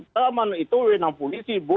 keamanan itu dengan polisi bu